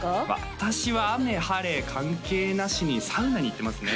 私は雨晴れ関係なしにサウナに行ってますね